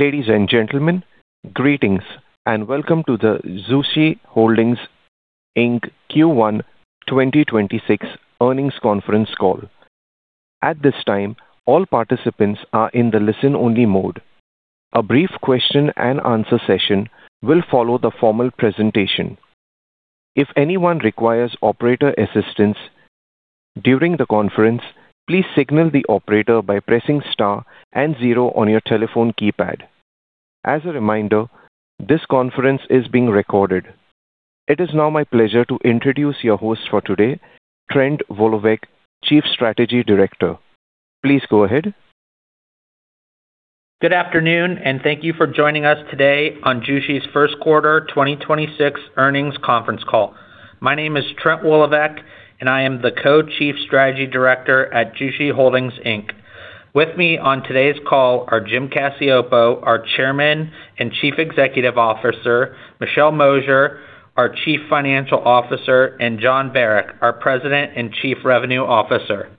Ladies and gentlemen, greetings and welcome to the Jushi Holdings Inc Q1 2026 earnings conference call. At this time, all participants are in the listen-only mode. A brief question and answer session will follow the formal presentation. If anyone requires operator assistance during the conference, please signal the operator by pressing star and zero on your telephone keypad. As a reminder, this conference is being recorded. It is now my pleasure to introduce your host for today, Trent Woloveck, Chief Strategy Director. Please go ahead. Good afternoon, thank you for joining us today on Jushi's first quarter 2026 earnings conference call. My name is Trent Woloveck, and I am the Co-Chief Strategy Director at Jushi Holdings Inc. With me on today's call are Jim Cacioppo, our Chairman and Chief Executive Officer, Michelle Mosier, our Chief Financial Officer, and Jon Barack, our President and Chief Revenue Officer.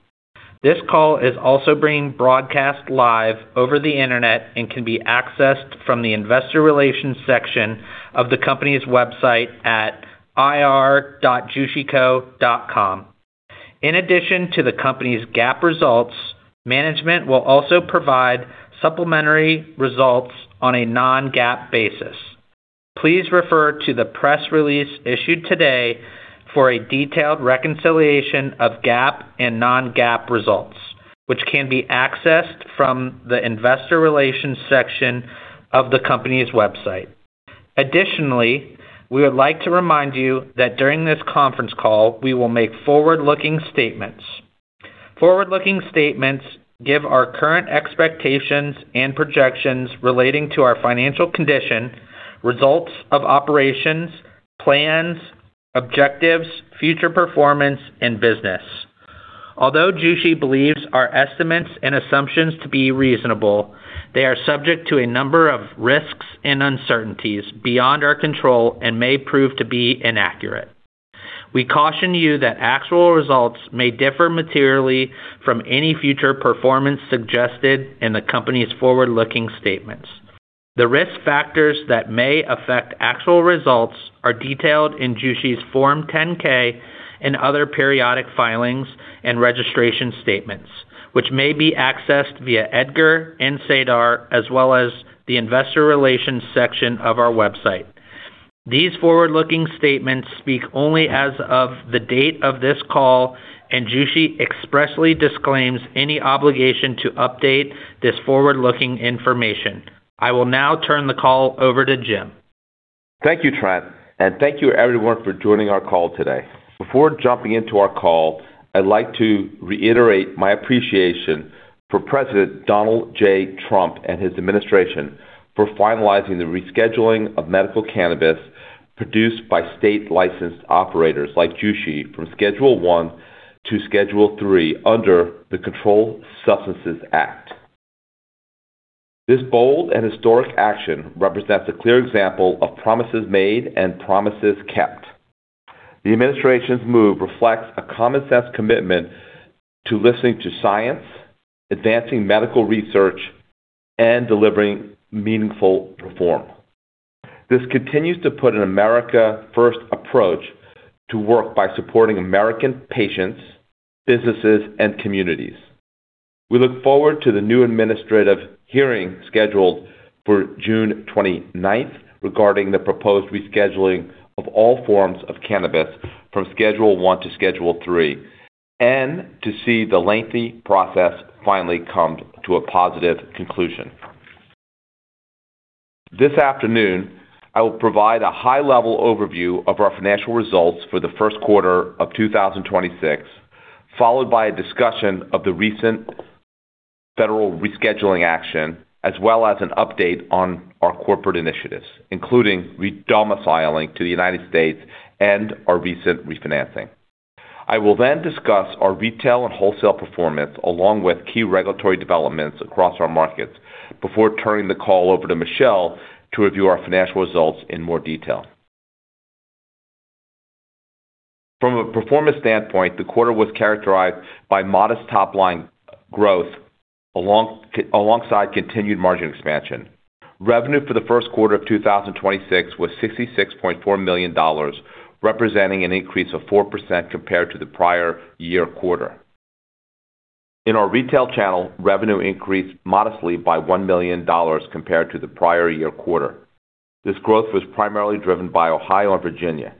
This call is also being broadcast live over the Internet and can be accessed from the investor relations section of the company's website at ir.jushico.com. In addition to the company's GAAP results, management will also provide supplementary results on a non-GAAP basis. Please refer to the press release issued today for a detailed reconciliation of GAAP and non-GAAP results, which can be accessed from the investor relations section of the company's website. Additionally, we would like to remind you that during this conference call, we will make forward-looking statements. Forward-looking statements give our current expectations and projections relating to our financial condition, results of operations, plans, objectives, future performance and business. Although Jushi believes our estimates and assumptions to be reasonable, they are subject to a number of risks and uncertainties beyond our control and may prove to be inaccurate. We caution you that actual results may differ materially from any future performance suggested in the company's forward-looking statements. The risk factors that may affect actual results are detailed in Jushi's Form 10-K and other periodic filings and registration statements, which may be accessed via EDGAR and SEDAR, as well as the Investor Relations section of our website. These forward-looking statements speak only as of the date of this call, and Jushi expressly disclaims any obligation to update this forward-looking information. I will now turn the call over to Jim. Thank you, Trent, and thank you everyone for joining our call today. Before jumping into our call, I'd like to reiterate my appreciation for President Donald J. Trump and his administration for finalizing the rescheduling of medical cannabis produced by state-licensed operators like Jushi from Schedule I to Schedule III under the Controlled Substances Act. This bold and historic action represents a clear example of promises made and promises kept. The administration's move reflects a common sense commitment to listening to science, advancing medical research and delivering meaningful reform. This continues to put an America-first approach to work by supporting American patients, businesses and communities. We look forward to the new administrative hearing scheduled for June 29th regarding the proposed rescheduling of all forms of cannabis from Schedule I to Schedule III, and to see the lengthy process finally come to a positive conclusion. This afternoon, I will provide a high-level overview of our financial results for the first quarter of 2026, followed by a discussion of the recent federal rescheduling action, as well as an update on our corporate initiatives, including redomiciling to the United States and our recent refinancing. I will discuss our retail and wholesale performance alongside key regulatory developments across our markets before turning the call over to Michelle to review our financial results in more detail. From a performance standpoint, the quarter was characterized by modest top-line growth alongside continued margin expansion. Revenue for the first quarter of 2026 was $66.4 million, representing an increase of 4% compared to the prior-year quarter. In our retail channel, revenue increased modestly by $1 million compared to the prior-year quarter. This growth was primarily driven by Ohio and Virginia.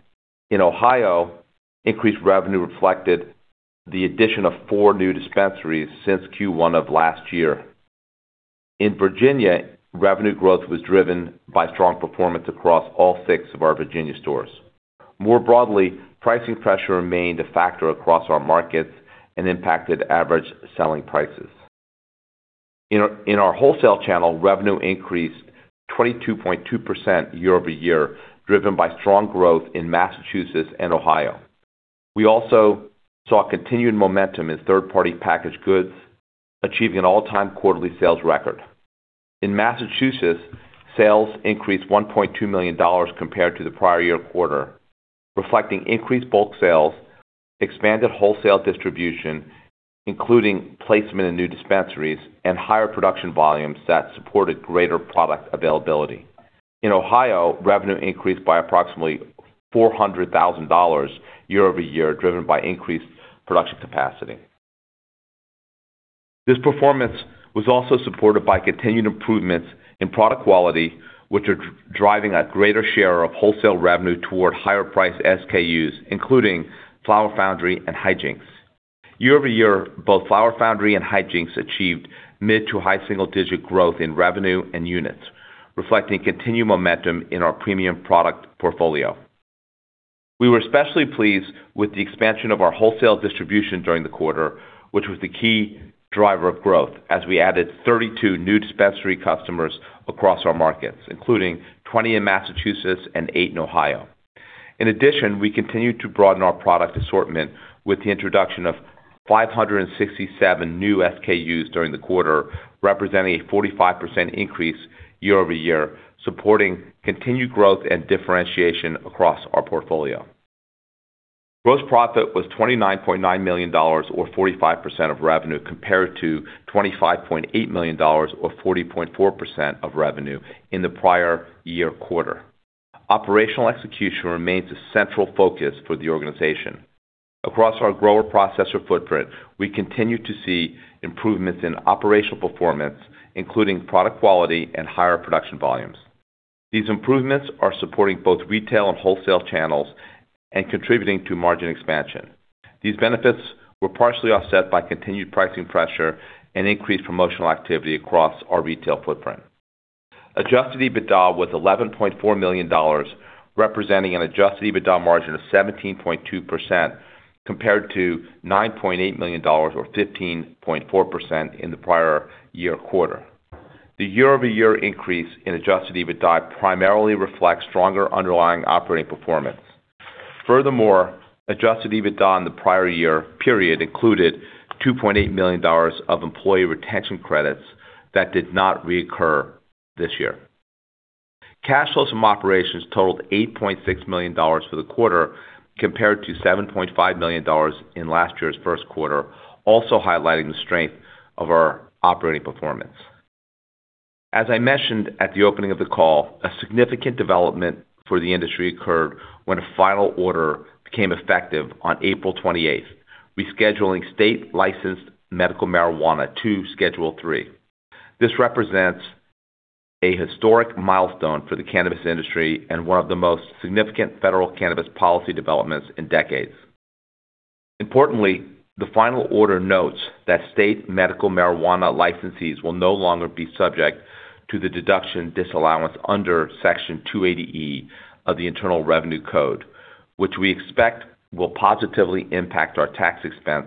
In Ohio, increased revenue reflected the addition of four new dispensaries since Q1 of last year. In Virginia, revenue growth was driven by strong performance across all six of our Virginia stores. More broadly, pricing pressure remained a factor across our markets and impacted average selling prices. In our wholesale channel, revenue increased 22.2% year-over-year, driven by strong growth in Massachusetts and Ohio. We also saw continued momentum in third-party packaged goods, achieving an all-time quarterly sales record. In Massachusetts, sales increased $1.2 million compared to the prior year quarter, reflecting increased bulk sales, expanded wholesale distribution, including placement in new dispensaries and higher production volumes that supported greater product availability. In Ohio, revenue increased by approximately $400,000 year-over-year, driven by increased production capacity. This performance was also supported by continued improvements in product quality, which are driving a greater share of wholesale revenue toward higher-priced SKUs, including Flower Foundry and Hijinks. Year-over-year, both Flower Foundry and Hijinks achieved mid to high single-digit growth in revenue and units, reflecting continued momentum in our premium product portfolio. We were especially pleased with the expansion of our wholesale distribution during the quarter, which was the key driver of growth as we added 32 new dispensary customers across our markets, including 20 in Massachusetts and eight in Ohio. We continued to broaden our product assortment with the introduction of 567 new SKUs during the quarter, representing a 45% increase year-over-year, supporting continued growth and differentiation across our portfolio. Gross profit was $29.9 million or 45% of revenue compared to $25.8 million or 40.4% of revenue in the prior year quarter. Operational execution remains a central focus for the organization. Across our grower processor footprint, we continue to see improvements in operational performance, including product quality and higher production volumes. These improvements are supporting both retail and wholesale channels and contributing to margin expansion. These benefits were partially offset by continued pricing pressure and increased promotional activity across our retail footprint. Adjusted EBITDA was $11.4 million, representing an Adjusted EBITDA margin of 17.2% compared to $9.8 million or 15.4% in the prior year quarter. The year-over-year increase in Adjusted EBITDA primarily reflects stronger underlying operating performance. Furthermore, Adjusted EBITDA in the prior year period included $2.8 million of Employee Retention Credit that did not reoccur this year. Cash flows from operations totaled $8.6 million for the quarter compared to $7.5 million in last year's first quarter, also highlighting the strength of our operating performance. As I mentioned at the opening of the call, a significant development for the industry occurred when a final order became effective on April 28th, rescheduling state licensed medical marijuana to Schedule III. This represents a historic milestone for the cannabis industry and one of the most significant federal cannabis policy developments in decades. Importantly, the final order notes that state medical marijuana licensees will no longer be subject to the deduction disallowance under Section 280E of the Internal Revenue Code, which we expect will positively impact our tax expense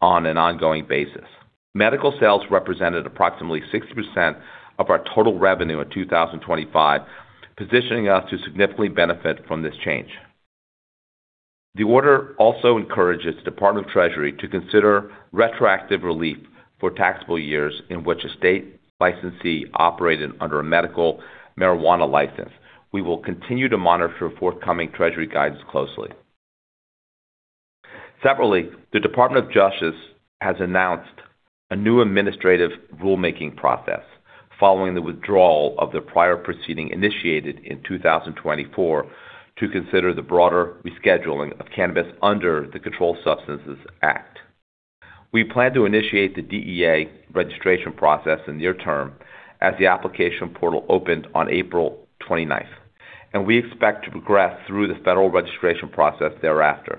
on an ongoing basis. Medical sales represented approximately 60% of our total revenue in 2025, positioning us to significantly benefit from this change. The order also encourages the U.S. Department of the Treasury to consider retroactive relief for taxable years in which a state licensee operated under a medical marijuana license. We will continue to monitor forthcoming Treasury guidance closely. Separately, the U.S. Department of Justice has announced a new administrative rulemaking process following the withdrawal of the prior proceeding initiated in 2024 to consider the broader rescheduling of cannabis under the Controlled Substances Act. We plan to initiate the DEA registration process in near term as the application portal opened on April 29th, and we expect to progress through this federal registration process thereafter.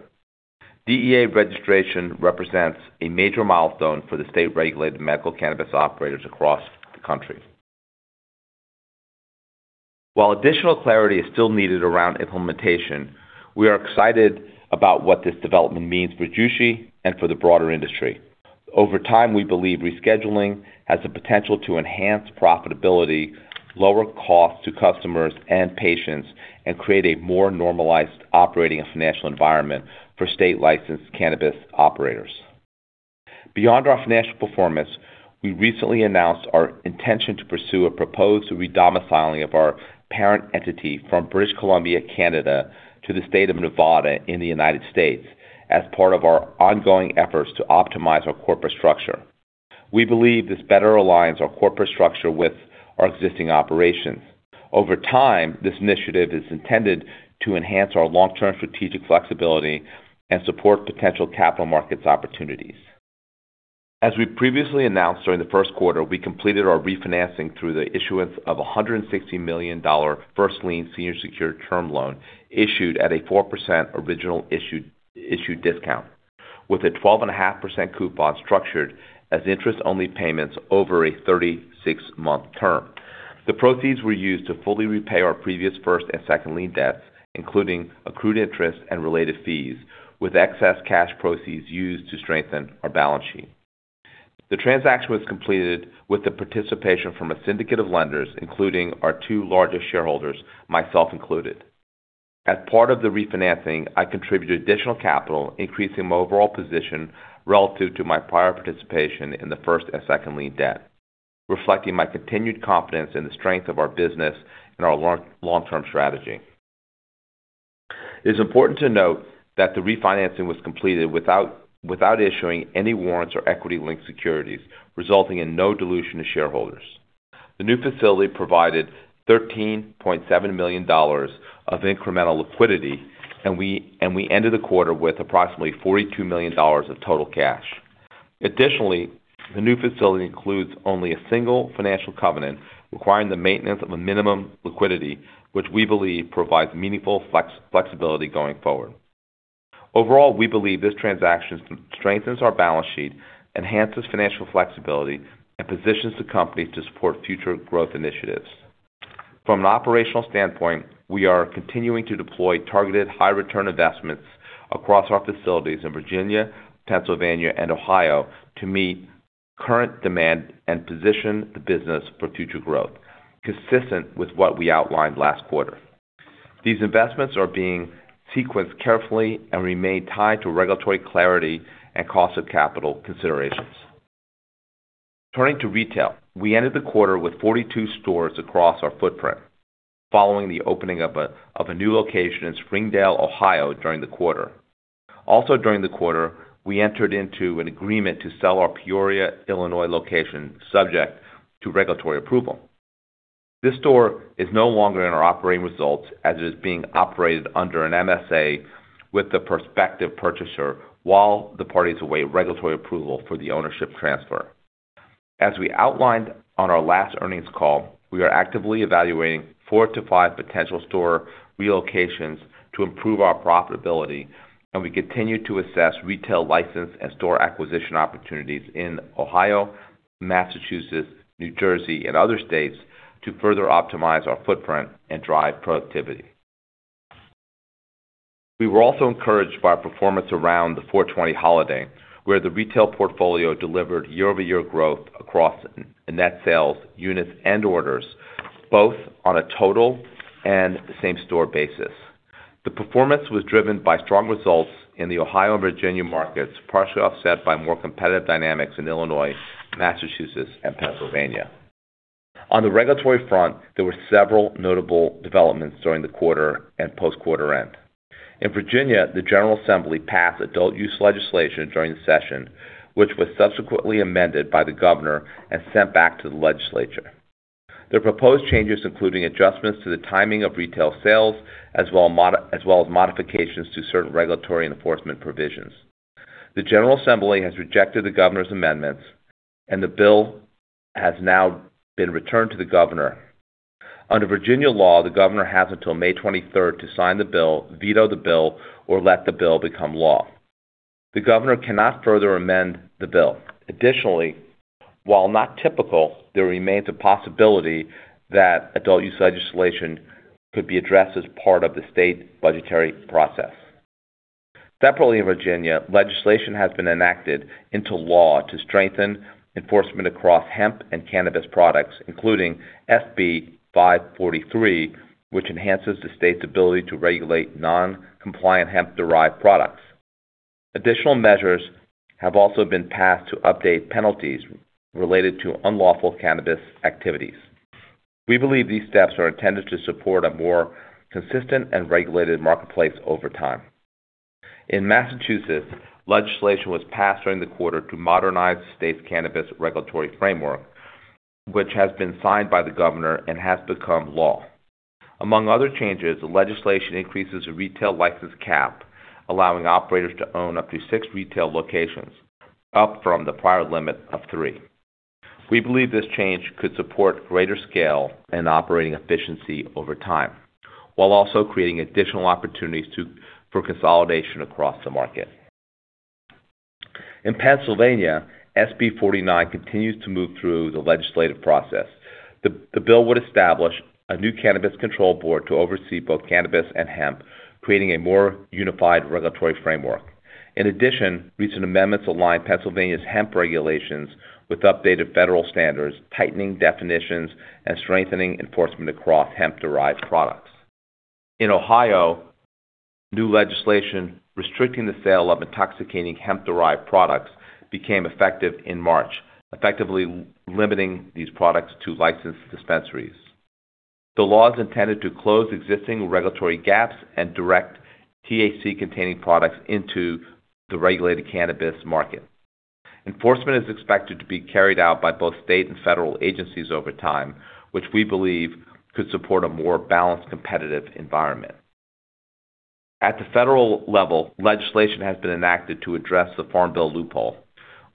DEA registration represents a major milestone for the state-regulated medical cannabis operators across the country. While additional clarity is still needed around implementation, we are excited about what this development means for Jushi and for the broader industry. Over time, we believe rescheduling has the potential to enhance profitability, lower costs to customers and patients, and create a more normalized operating and financial environment for state licensed cannabis operators. Beyond our financial performance, we recently announced our intention to pursue a proposed redomiciling of our parent entity from British Columbia, Canada, to the state of Nevada in the United States as part of our ongoing efforts to optimize our corporate structure. We believe this better aligns our corporate structure with our existing operations. Over time, this initiative is intended to enhance our long-term strategic flexibility and support potential capital markets opportunities. As we previously announced during the first quarter, we completed our refinancing through the issuance of a $160 million first lien senior secured term loan issued at a 4% original issued discount, with a 12.5% coupon structured as interest-only payments over a 36-month term. The proceeds were used to fully repay our previous first and second lien debts, including accrued interest and related fees, with excess cash proceeds used to strengthen our balance sheet. The transaction was completed with the participation from a syndicate of lenders, including our two largest shareholders, myself included. As part of the refinancing, I contributed additional capital, increasing my overall position relative to my prior participation in the first and second lien debt, reflecting my continued confidence in the strength of our business and our long-term strategy. It is important to note that the refinancing was completed without issuing any warrants or equity-linked securities, resulting in no dilution to shareholders. The new facility provided $13.7 million of incremental liquidity, and we ended the quarter with approximately $42 million of total cash. Additionally, the new facility includes only a single financial covenant requiring the maintenance of a minimum liquidity, which we believe provides meaningful flexibility going forward. We believe this transaction strengthens our balance sheet, enhances financial flexibility, and positions the company to support future growth initiatives. From an operational standpoint, we are continuing to deploy targeted high-return investments across our facilities in Virginia, Pennsylvania, and Ohio to meet current demand and position the business for future growth, consistent with what we outlined last quarter. These investments are being sequenced carefully and remain tied to regulatory clarity and cost of capital considerations. Turning to retail, we ended the quarter with 42 stores across our footprint following the opening of a new location in Springdale, Ohio during the quarter. Also during the quarter, we entered into an agreement to sell our Peoria, Illinois location subject to regulatory approval. This store is no longer in our operating results as it is being operated under an MSA with the prospective purchaser while the parties await regulatory approval for the ownership transfer. As we outlined on our last earnings call, we are actively evaluating 4-5 potential store relocations to improve our profitability, and we continue to assess retail license and store acquisition opportunities in Ohio, Massachusetts, New Jersey, and other states to further optimize our footprint and drive productivity. We were also encouraged by performance around the 4/20 holiday, where the retail portfolio delivered year-over-year growth across in net sales, units, and orders, both on a total and same-store basis. The performance was driven by strong results in the Ohio and Virginia markets, partially offset by more competitive dynamics in Illinois, Massachusetts, and Pennsylvania. On the regulatory front, there were several notable developments during the quarter and post-quarter end. In Virginia, the General Assembly passed adult use legislation during the session, which was subsequently amended by the governor and sent back to the legislature. The proposed changes including adjustments to the timing of retail sales as well as modifications to certain regulatory enforcement provisions. The General Assembly has rejected the governor's amendments, and the bill has now been returned to the governor. Under Virginia law, the governor has until May 23rd to sign the bill, veto the bill, or let the bill become law. The governor cannot further amend the bill. Additionally, while not typical, there remains a possibility that adult use legislation could be addressed as part of the state budgetary process. Separately in Virginia, legislation has been enacted into law to strengthen enforcement across hemp and cannabis products, including SB 543, which enhances the state's ability to regulate non-compliant hemp-derived products. Additional measures have also been passed to update penalties related to unlawful cannabis activities. We believe these steps are intended to support a more consistent and regulated marketplace over time. In Massachusetts, legislation was passed during the quarter to modernize the state's cannabis regulatory framework, which has been signed by the governor and has become law. Among other changes, the legislation increases the retail license cap, allowing operators to own up to six retail locations, up from the prior limit of three. We believe this change could support greater scale and operating efficiency over time, while also creating additional opportunities for consolidation across the market. In Pennsylvania, SB 49 continues to move through the legislative process. The bill would establish a new Cannabis Control Board to oversee both cannabis and hemp, creating a more unified regulatory framework. Recent amendments align Pennsylvania's hemp regulations with updated federal standards, tightening definitions and strengthening enforcement across hemp-derived products. In Ohio, new legislation restricting the sale of intoxicating hemp-derived products became effective in March, effectively limiting these products to licensed dispensaries. The law is intended to close existing regulatory gaps and direct THC-containing products into the regulated cannabis market. Enforcement is expected to be carried out by both state and federal agencies over time, which we believe could support a more balanced competitive environment. At the federal level, legislation has been enacted to address the farm bill loophole,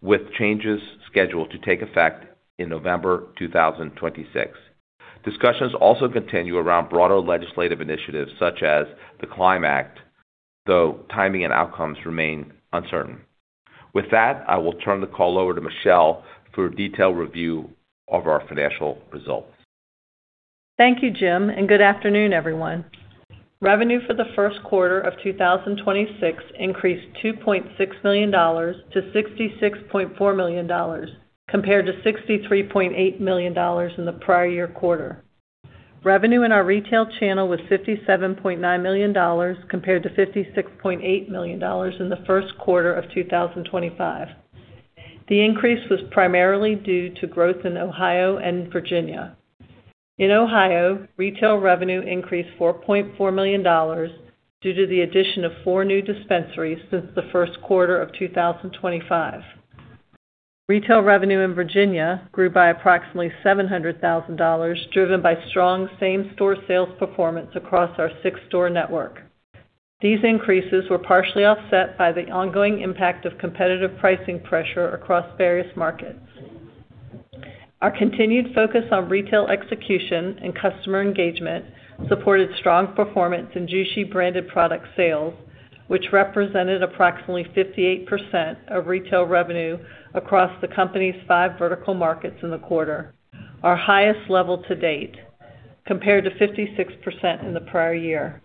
with changes scheduled to take effect in November 2026. Discussions also continue around broader legislative initiatives such as the CLIMB Act, though timing and outcomes remain uncertain. With that, I will turn the call over to Michelle for a detailed review of our financial results. Thank you, Jim, and good afternoon, everyone. Revenue for the first quarter of 2026 increased $2.6 million to $66.4 million compared to $63.8 million in the prior year quarter. Revenue in our retail channel was $57.9 million compared to $56.8 million in the first quarter of 2025. The increase was primarily due to growth in Ohio and Virginia. In Ohio, retail revenue increased $4.4 million due to the addition of 4 new dispensaries since the first quarter of 2025. Retail revenue in Virginia grew by approximately $700,000, driven by strong same-store sales performance across our six-store network. These increases were partially offset by the ongoing impact of competitive pricing pressure across various markets. Our continued focus on retail execution and customer engagement supported strong performance in Jushi-branded product sales, which represented approximately 58% of retail revenue across the company's five vertical markets in the quarter, our highest level to date, compared to 56% in the prior year.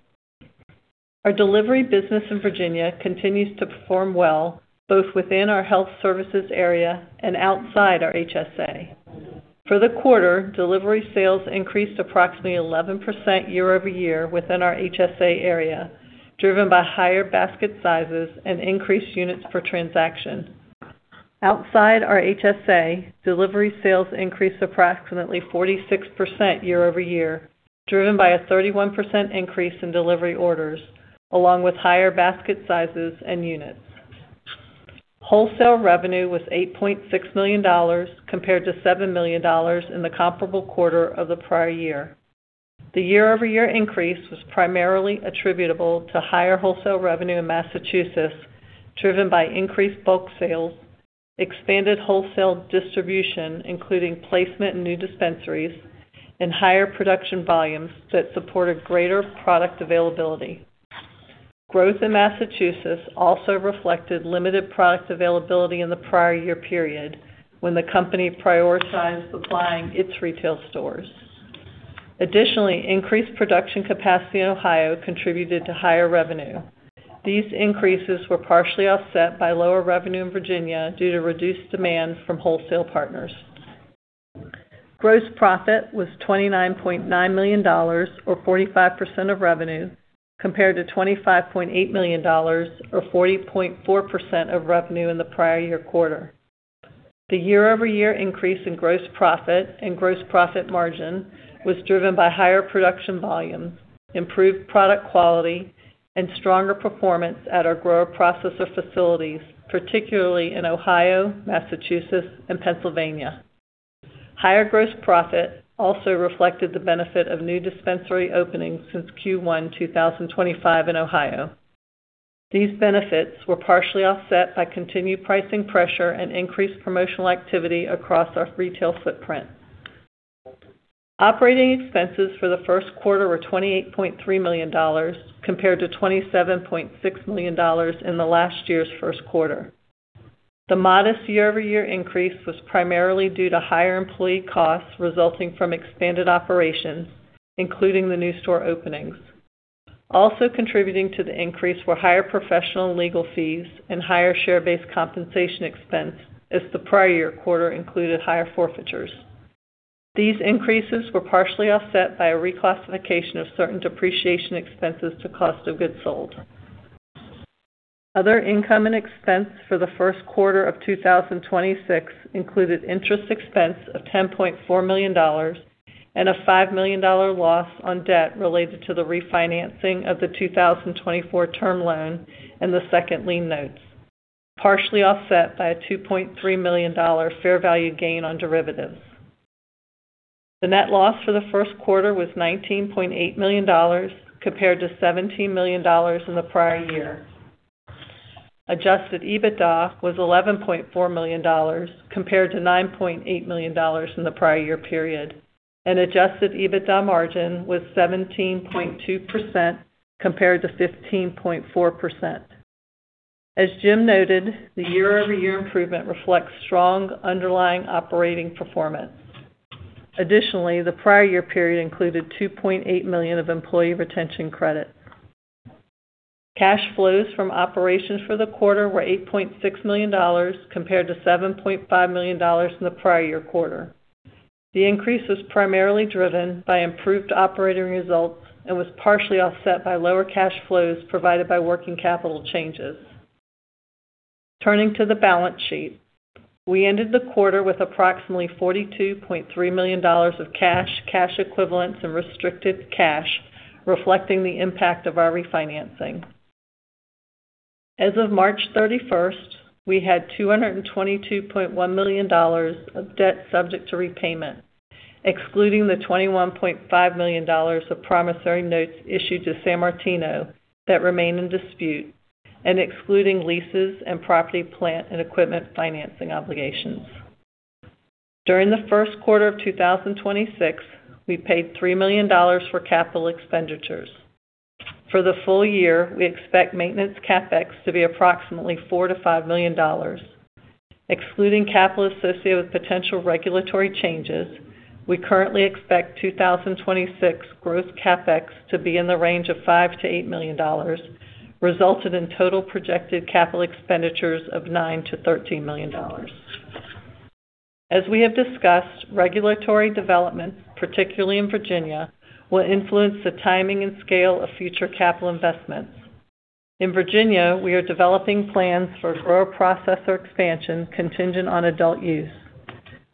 Our delivery business in Virginia continues to perform well both within our Health Services Area and outside our HSA. For the quarter, delivery sales increased approximately 11% year-over-year within our HSA area, driven by higher basket sizes and increased units per transaction. Outside our HSA, delivery sales increased approximately 46% year-over-year, driven by a 31% increase in delivery orders along with higher basket sizes and units. Wholesale revenue was $8.6 million compared to $7 million in the comparable quarter of the prior year. The year-over-year increase was primarily attributable to higher wholesale revenue in Massachusetts, driven by increased bulk sales, expanded wholesale distribution, including placement in new dispensaries, and higher production volumes that supported greater product availability. Growth in Massachusetts also reflected limited product availability in the prior year period when the company prioritized supplying its retail stores. Additionally, increased production capacity in Ohio contributed to higher revenue. These increases were partially offset by lower revenue in Virginia due to reduced demand from wholesale partners. Gross profit was $29.9 million or 45% of revenue compared to $25.8 million or 40.4% of revenue in the prior year quarter. The year-over-year increase in gross profit and gross profit margin was driven by higher production volumes, improved product quality, and stronger performance at our grower processor facilities, particularly in Ohio, Massachusetts, and Pennsylvania. Higher gross profit also reflected the benefit of new dispensary openings since Q1 2025 in Ohio. These benefits were partially offset by continued pricing pressure and increased promotional activity across our retail footprint. Operating expenses for the first quarter were $28.3 million compared to $27.6 million in last year's first quarter. The modest year-over-year increase was primarily due to higher employee costs resulting from expanded operations, including the new store openings. Also contributing to the increase were higher professional and legal fees and higher share-based compensation expense as the prior year quarter included higher forfeitures. These increases were partially offset by a reclassification of certain depreciation expenses to cost of goods sold. Other income and expense for the first quarter of 2026 included interest expense of $10.4 million and a $5 million loss on debt related to the refinancing of the 2024 term loan and the second lien notes, partially offset by a $2.3 million fair value gain on derivatives. The net loss for the first quarter was $19.8 million compared to $17 million in the prior year. Adjusted EBITDA was $11.4 million compared to $9.8 million in the prior year period, and Adjusted EBITDA margin was 17.2% compared to 15.4%. As Jim noted, the year-over-year improvement reflects strong underlying operating performance. Additionally, the prior year period included $2.8 million of Employee Retention Credit. Cash flows from operations for the quarter were $8.6 million compared to $7.5 million in the prior year quarter. The increase was primarily driven by improved operating results and was partially offset by lower cash flows provided by working capital changes. Turning to the balance sheet. We ended the quarter with approximately $42.3 million of cash equivalents, and restricted cash, reflecting the impact of our refinancing. As of March 31st, we had $222.1 million of debt subject to repayment, excluding the $21.5 million of promissory notes issued to Sammartino that remain in dispute and excluding leases and property, plant, and equipment financing obligations. During the first quarter of 2026, we paid $3 million for capital expenditures. For the full year, we expect maintenance CapEx to be approximately $4 million-$5 million. Excluding capital associated with potential regulatory changes, we currently expect 2026 gross CapEx to be in the range of $5 million-$8 million, resulting in total projected capital expenditures of $9 million-$13 million. As we have discussed, regulatory developments, particularly in Virginia, will influence the timing and scale of future capital investments. In Virginia, we are developing plans for grower processor expansion contingent on adult use.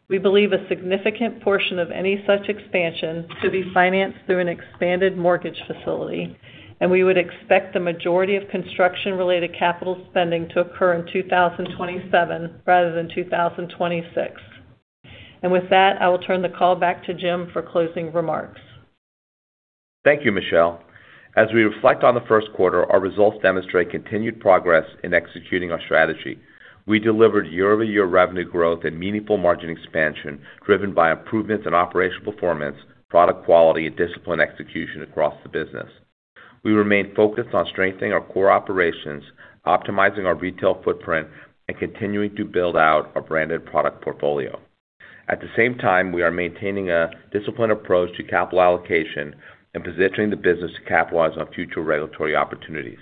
We believe a significant portion of any such expansion could be financed through an expanded mortgage facility, and we would expect the majority of construction-related capital spending to occur in 2027 rather than 2026. With that, I will turn the call back to Jim for closing remarks. Thank you, Michelle. As we reflect on the first quarter, our results demonstrate continued progress in executing our strategy. We delivered year-over-year revenue growth and meaningful margin expansion, driven by improvements in operational performance, product quality and disciplined execution across the business. We remain focused on strengthening our core operations, optimizing our retail footprint, and continuing to build out our branded product portfolio. At the same time, we are maintaining a disciplined approach to capital allocation and positioning the business to capitalize on future regulatory opportunities.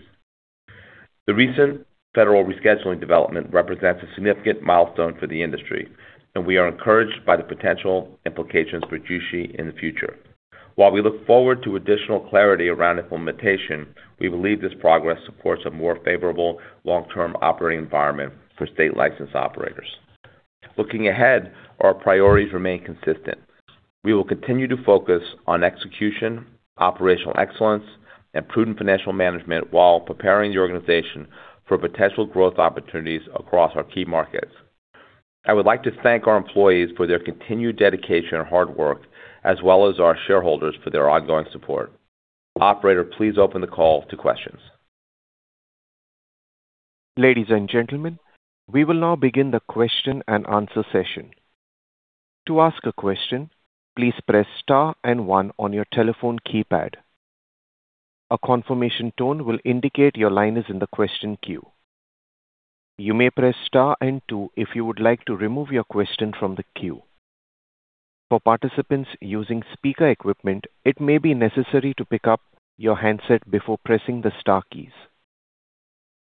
The recent federal rescheduling development represents a significant milestone for the industry, and we are encouraged by the potential implications for Jushi in the future. While we look forward to additional clarity around implementation, we believe this progress supports a more favorable long-term operating environment for state licensed operators. Looking ahead, our priorities remain consistent. We will continue to focus on execution, operational excellence and prudent financial management while preparing the organization for potential growth opportunities across our key markets. I would like to thank our employees for their continued dedication and hard work, as well as our shareholders for their ongoing support. Operator, please open the call to questions. Ladies and gentlemen we will now begin the question and answer session. To ask a question please press star and one on your telephone keypad. A confirmation tone will indicate your question is in the confirmation queue. You may press star and two if you want to remove your question from the queue. All participants using speaker equipment, it may be necessary to pick up your handset befor pressing the star keys.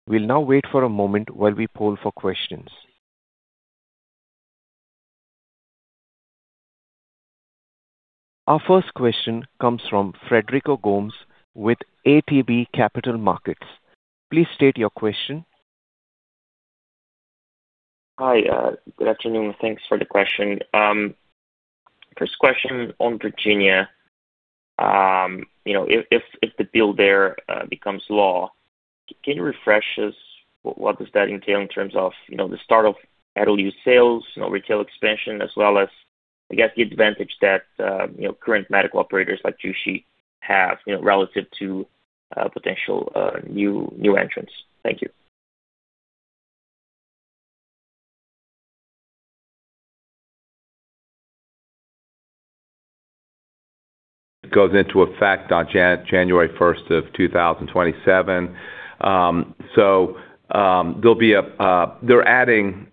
We will now wait for a moment while we now pause for questions. Our first question comes from Frederico Gomes with ATB Capital Markets. Please state your question. Hi, good afternoon. Thanks for the question. First question on Virginia. You know, if the bill there becomes law, can you refresh us what does that entail in terms of, you know, the start of adult use sales, you know, retail expansion, as well as, I guess, the advantage that, you know, current medical operators like Jushi have, you know, relative to potential new entrants? Thank you. It goes into effect on January 1st of 2027. They're adding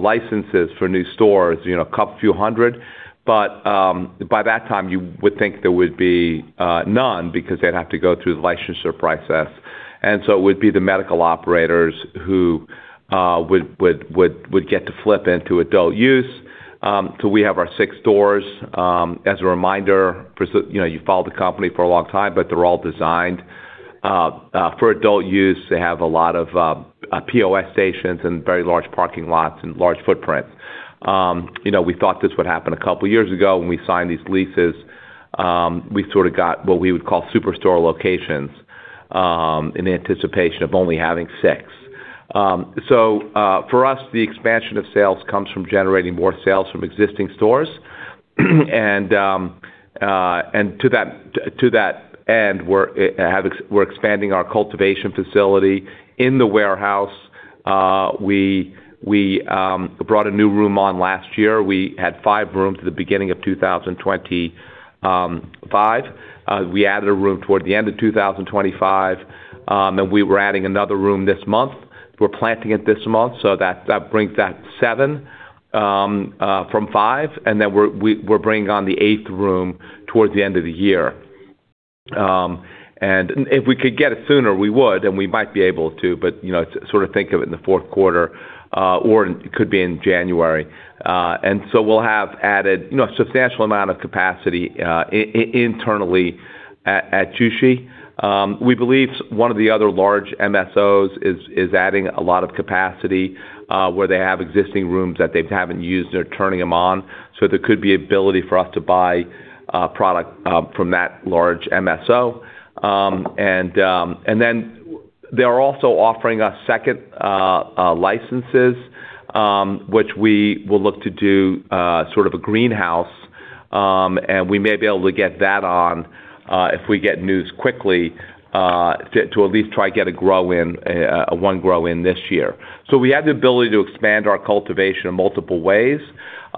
licenses for new stores, you know, a couple, few hundred. By that time, you would think there would be none because they'd have to go through the licensure process. It would be the medical operators who would get to flip into adult use. So we have our six stores. As a reminder, you know, you followed the company for a long time, but they're all designed for adult use. They have a lot of POS stations and very large parking lots and large footprint. You know, we thought this would happen a couple years ago when we signed these leases. We sort of got what we would call superstore locations in anticipation of only having six. For us, the expansion of sales comes from generating more sales from existing stores. To that end, we're expanding our cultivation facility in the warehouse. We brought a new room on last year. We had five rooms at the beginning of 2025. We added a room toward the end of 2025, and we were adding another room this month. We're planting it this month, that brings that seven from five. We're bringing on the 8th room towards the end of the year. If we could get it sooner, we would, and we might be able to. You know, to sort of think of it in the fourth quarter, or it could be in January. We'll have added, you know, a substantial amount of capacity internally at Jushi. We believe one of the other large MSOs is adding a lot of capacity where they have existing rooms that they haven't used. They're turning them on. There could be ability for us to buy product from that large MSO. They are also offering us second licenses, which we will look to do sort of a greenhouse. We may be able to get that on, if we get news quickly, to at least try to get a grow in, one grow in this year. We have the ability to expand our cultivation in multiple ways.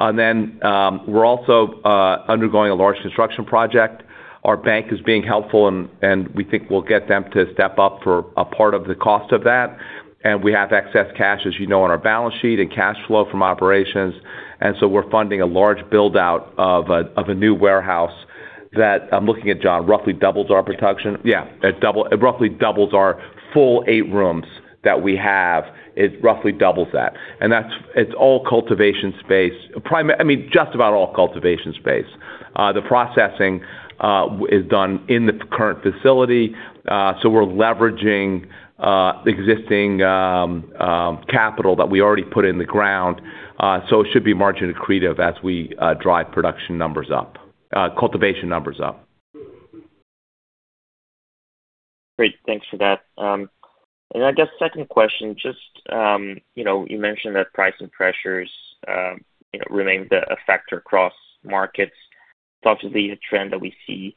We are also undergoing a large construction project. Our bank is being helpful and we think we will get them to step up for a part of the cost of that. We have excess cash, as you know, on our balance sheet and cash flow from operations. We are funding a large build-out of a new warehouse that I am looking at, Jon, roughly doubles our production. It roughly doubles our full eight rooms that we have. It roughly doubles that. That is all cultivation space. I mean, just about all cultivation space. The processing is done in the current facility, so we're leveraging existing capital that we already put in the ground. It should be margin accretive as we drive production numbers up, cultivation numbers up. Great. Thanks for that. I guess second question, just, you know, you mentioned that pricing pressures, you know, remain a factor across markets. It's obviously a trend that we see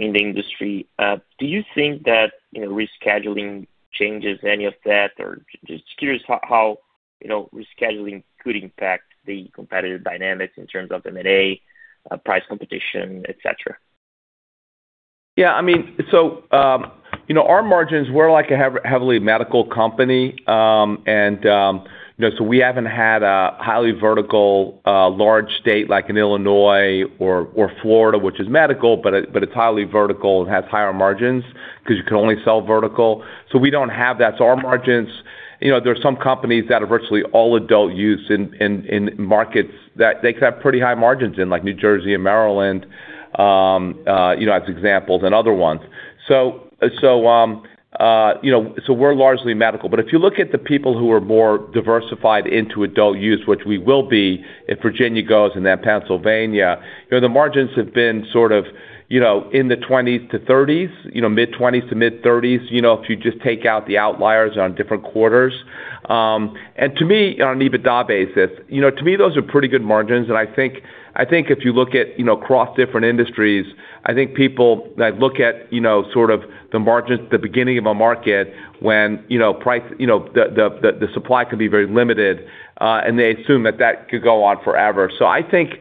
in the industry. Do you think that, you know, rescheduling changes any of that? Or just curious how, you know, rescheduling could impact the competitive dynamics in terms of M&A, price competition, et cetera. Yeah, I mean, you know, our margins, we're like a heavily medical company. You know, we haven't had a highly vertical, large state like an Illinois or Florida, which is medical, but it's highly vertical and has higher margins because you can only sell vertical. We don't have that. Our margins, you know, there are some companies that are virtually all adult use in markets that they have pretty high margins in, like New Jersey and Maryland, you know, as examples and other ones. You know, we're largely medical. If you look at the people who are more diversified into adult use, which we will be if Virginia goes and then Pennsylvania, you know, the margins have been sort of, you know, in the 20s to 30s, you know, mid-20s to mid-30s, you know, if you just take out the outliers on different quarters. To me, on an EBITDA basis, you know, to me those are pretty good margins. I think if you look at, you know, across different industries, I think people that look at, you know, sort of the margins at the beginning of a market when, you know, price, you know, the, the supply can be very limited, and they assume that that could go on forever. I think,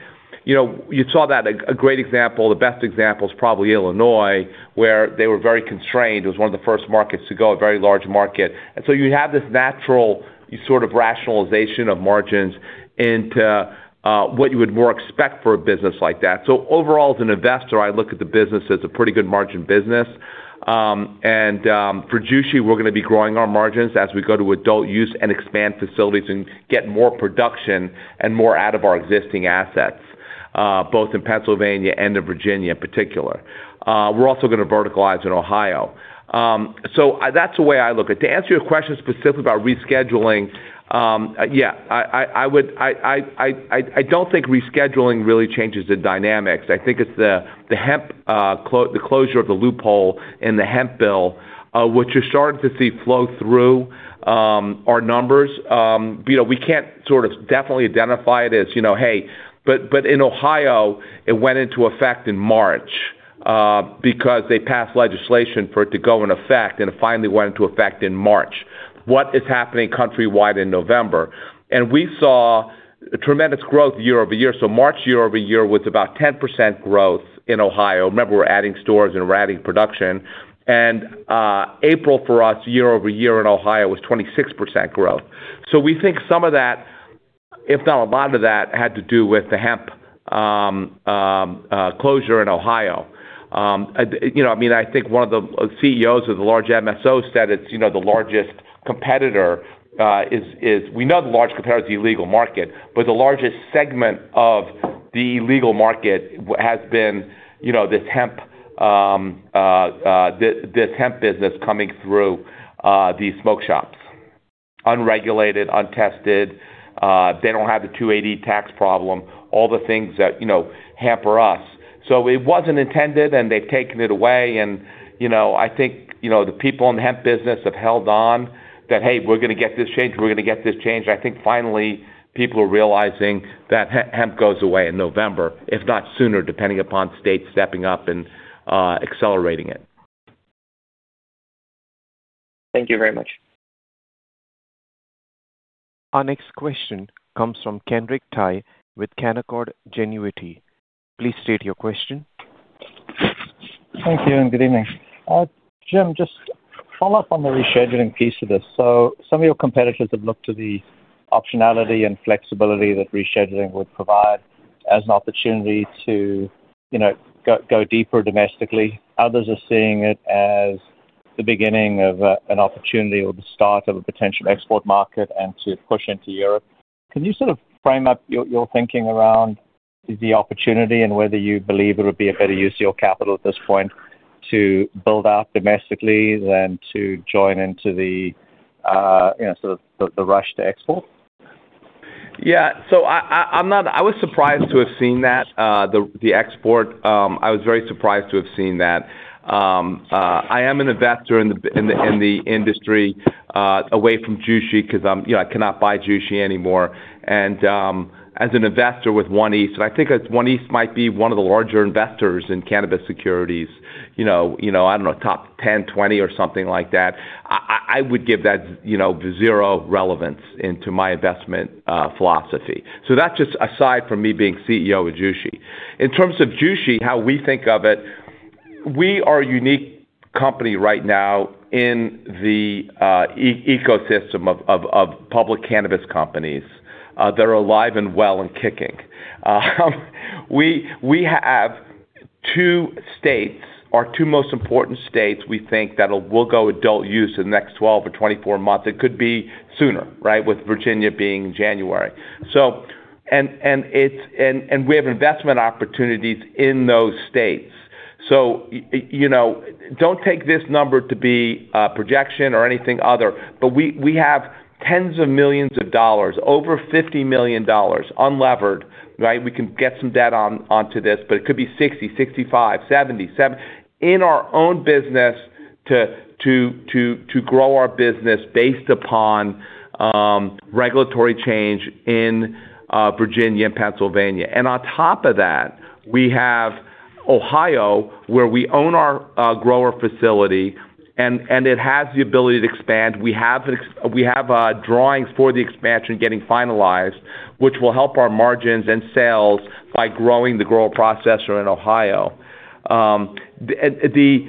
you know, you saw that a great example, the best example is probably Illinois, where they were very constrained. It was one of the first markets to go, a very large market. You have this natural sort of rationalization of margins into what you would more expect for a business like that. Overall, as an investor, I look at the business as a pretty good margin business. For Jushi, we're gonna be growing our margins as we go to adult use and expand facilities and get more production and more out of our existing assets, both in Pennsylvania and in Virginia in particular. We're also gonna verticalize in Ohio. That's the way I look at it. To answer your question specifically about rescheduling, I would, I don't think rescheduling really changes the dynamics. I think it's the hemp, the closure of the loophole in the hemp bill, which you're starting to see flow through our numbers. You know, we can't sort of definitely identify it as, you know, hey. But in Ohio, it went into effect in March, because they passed legislation for it to go in effect, and it finally went into effect in March. What is happening countrywide in November? We saw tremendous growth year-over-year. So March year-over-year was about 10% growth in Ohio. Remember, we're adding stores and we're adding production. April for us year-over-year in Ohio was 26% growth. We think some of that, if not a lot of that, had to do with the hemp closure in Ohio. You know, I mean, I think one of the CEOs of the large MSOs said it's, you know, the largest competitor is the illegal market, but the largest segment of the legal market has been, you know, this hemp business coming through these smoke shops. Unregulated, untested, they don't have the 280 tax problem, all the things that, you know, hamper us. It wasn't intended, and they've taken it away. You know, I think, you know, the people in the hemp business have held on that, "Hey, we're gonna get this changed, we're gonna get this changed." I think finally people are realizing that hemp goes away in November, if not sooner, depending upon states stepping up and accelerating it. Thank you very much. Our next question comes from Kenric Tyghe with Canaccord Genuity. Please state your question. Thank you, and good evening. Jim, just to follow up on the rescheduling piece of this. Some of your competitors have looked to the optionality and flexibility that rescheduling would provide as an opportunity to, you know, go deeper domestically. Others are seeing it as the beginning of an opportunity or the start of a potential export market and to push into Europe. Can you sort of frame up your thinking around the opportunity and whether you believe it would be a better use of your capital at this point to build out domestically than to join into the, you know, sort of the rush to export? I was surprised to have seen that, the export. I was very surprised to have seen that. I am an investor in the industry, away from Jushi because I'm, you know, I cannot buy Jushi anymore. As an investor with One East, I think that One East might be one of the larger investors in cannabis securities, you know, you know, I don't know, top 10, 20 or something like that. I would give that, you know, zero relevance into my investment philosophy. That's just aside from me being CEO of Jushi. In terms of Jushi, how we think of it. We are a unique company right now in the ecosystem of public cannabis companies that are alive and well and kicking. We have two states, our two most important states, we think that will go adult use in the next 12 or 24 months. It could be sooner, right, with Virginia being January. We have investment opportunities in those states. You know, don't take this number to be a projection or anything other, but we have tens of millions of dollars, over $50 million unlevered, right? We can get some debt onto this, but it could be $60, $65, $70 million in our own business to grow our business based upon regulatory change in Virginia and Pennsylvania. On top of that, we have Ohio, where we own our grower facility and it has the ability to expand. We have drawings for the expansion getting finalized, which will help our margins and sales by growing the grower processor in Ohio. The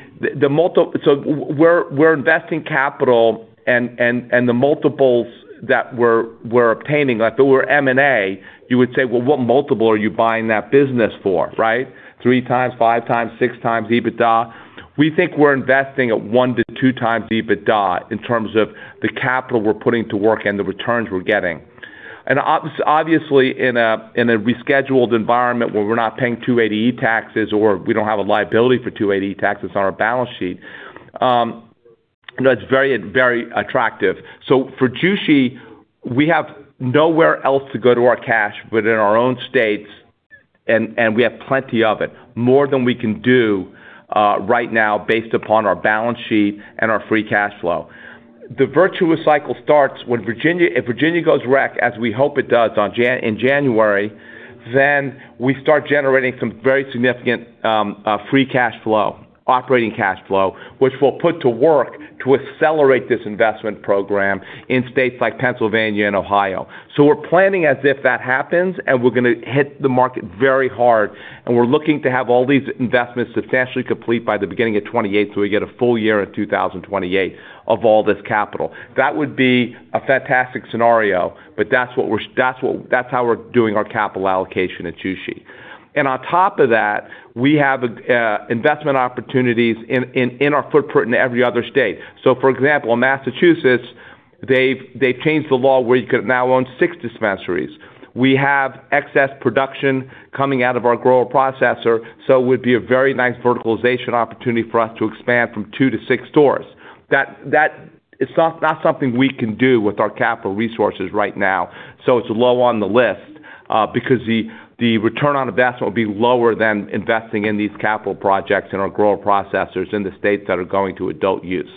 multiples that we're obtaining, like if it were M&A, you would say, "Well, what multiple are you buying that business for?" Right? 3x, 5x, 6x EBITDA. We think we're investing at 1x-2x EBITDA in terms of the capital we're putting to work and the returns we're getting. Obviously, in a rescheduled environment where we're not paying Section 280E taxes, or we don't have a liability for Section 280E taxes on our balance sheet, that's very, very attractive. For Jushi, we have nowhere else to go to our cash but in our own states, and we have plenty of it, more than we can do right now based upon our balance sheet and our free cash flow. The virtuous cycle starts when Virginia if Virginia goes rec, as we hope it does in January, then we start generating some very significant free cash flow, operating cash flow, which we'll put to work to accelerate this investment program in states like Pennsylvania and Ohio. We're planning as if that happens, and we're gonna hit the market very hard, and we're looking to have all these investments substantially complete by the beginning of 2028, so we get a full year of 2028 of all this capital. That would be a fantastic scenario, that's how we're doing our capital allocation at Jushi. On top of that, we have investment opportunities in our footprint in every other state. For example, in Massachusetts, they've changed the law where you could now own six dispensaries. We have excess production coming out of our grower processor, it would be a very nice verticalization opportunity for us to expand from two to six stores. That is not something we can do with our capital resources right now, it's low on the list because the return on investment will be lower than investing in these capital projects in our grower processors in the states that are going to adult use.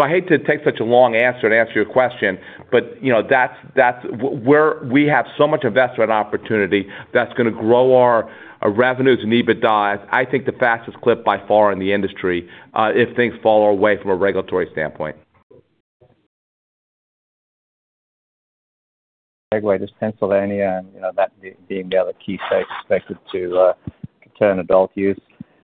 I hate to take such a long answer to answer your question, you know, we have so much investment opportunity that's gonna grow our revenues and EBITDA, I think the fastest clip by far in the industry, if things fall our way from a regulatory standpoint. Segue to Pennsylvania, you know, that being the other key state expected to turn adult-use.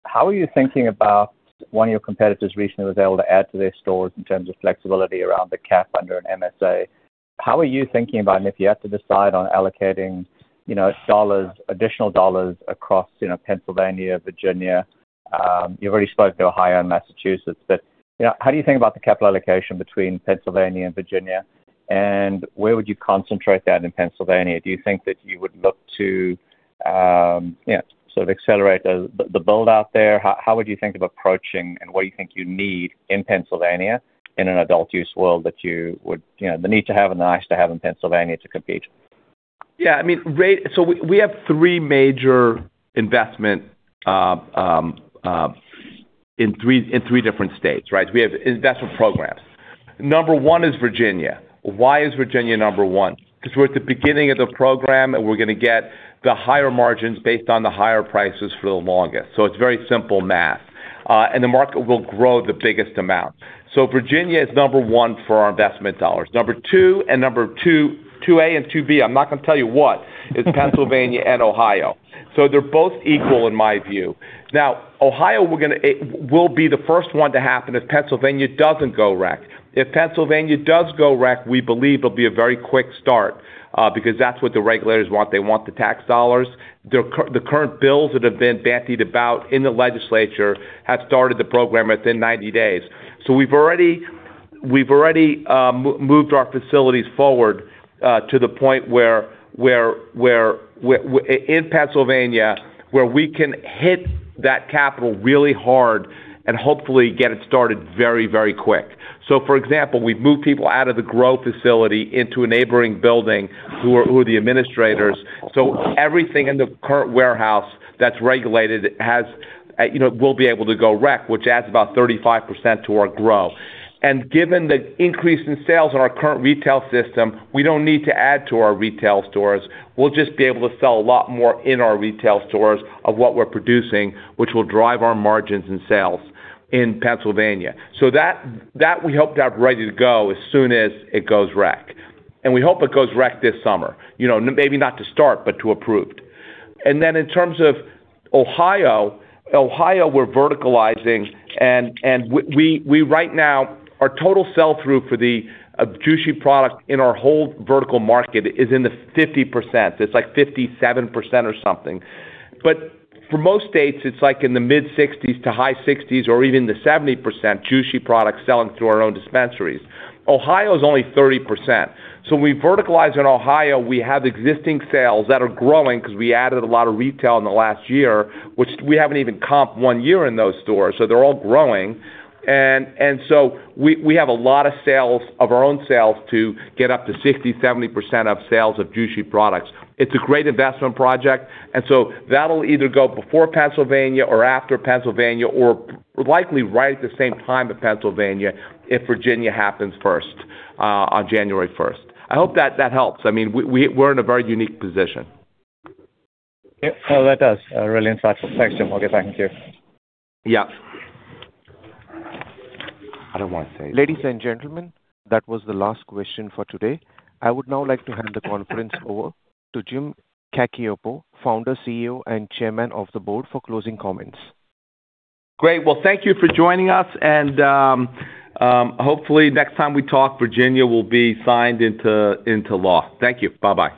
How are you thinking about one of your competitors recently was able to add to their stores in terms of flexibility around the cap under an MSA. How are you thinking about them if you have to decide on allocating, you know, dollars, additional dollars across, you know, Pennsylvania, Virginia? You've already spoke to Ohio and Massachusetts, you know, how do you think about the capital allocation between Pennsylvania and Virginia, and where would you concentrate that in Pennsylvania? Do you think that you would look to, you know, sort of accelerate the build-out there? How would you think of approaching and what you think you need in Pennsylvania in an adult use world that you would, you know, the need to have a nice to have in Pennsylvania to compete? Yeah, I mean, We have three major investment in three different states, right? We have investment programs. Number one is Virginia. Why is Virginia number one? Because we're at the beginning of the program, and we're gonna get the higher margins based on the higher prices for the longest. It's very simple math. And the market will grow the biggest amount. Virginia is number two for our investment dollars. Number two and 2 A and 2 B, I'm not gonna tell you what, is Pennsylvania and Ohio. They're both equal in my view. Ohio, it will be the first one to happen if Pennsylvania doesn't go rec. If Pennsylvania does go rec, we believe it'll be a very quick start, because that's what the regulators want. They want the tax dollars. The current bills that have been bandied about in the legislature have started the program within 90 days. We've already moved our facilities forward to the point where in Pennsylvania, where we can hit that capital really hard and hopefully get it started very, very quick. For example, we've moved people out of the grow facility into a neighboring building who are the administrators. Everything in the current warehouse that's regulated has, you know, will be able to go rec, which adds about 35% to our grow. Given the increase in sales in our current retail system, we don't need to add to our retail stores. We'll just be able to sell a lot more in our retail stores of what we're producing, which will drive our margins and sales in Pennsylvania. That, that we hope to have ready to go as soon as it goes rec. We hope it goes rec this summer, you know, maybe not to start, but to approved. Then in terms of Ohio, we're verticalizing and we right now, our total sell-through for the Jushi product in our whole vertical market is in the 50%. It's like 57% or something. For most states, it's like in the mid-60s to high 60s or even the 70% Jushi product selling through our own dispensaries. Ohio is only 30%. We verticalize in Ohio, we have existing sales that are growing because we added a lot of retail in the last year, which we haven't even comp one year in those stores, so they're all growing. So we have a lot of sales of our own sales to get up to 60%, 70% of sales of Jushi products. It's a great investment project, that'll either go before Pennsylvania or after Pennsylvania or likely right at the same time as Pennsylvania if Virginia happens first on January 1st. I hope that helps. I mean, we're in a very unique position. Yeah. No, that does. Really insightful. Thanks, Jim. I'll get back to you. Yeah. Ladies and gentlemen, that was the last question for today. I would now like to hand the conference over to Jim Cacioppo, Founder, CEO, and Chairman of the Board, for closing comments. Great. Well, thank you for joining us. Hopefully next time we talk, Virginia will be signed into law. Thank you. Bye-bye.